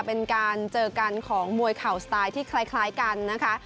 เป็นการเจอกันของมวยเข่าสไตล์ที่คล้ายกันนะคะ